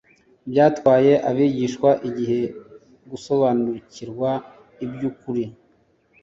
Byatwaye abigishwa igihe gusobariukirwa iby'uko kuri,